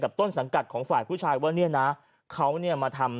ต้นสังกัดของฝ่ายผู้ชายว่าเนี่ยนะเขาเนี่ยมาทำ